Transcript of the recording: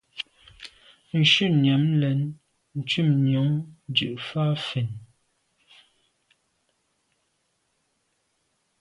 Shutnyàm lem ntùm njon dù’ fa fèn.